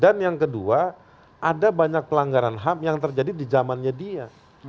dan yang kedua ada banyak pelanggaran ham yang terjadi di zamannya dia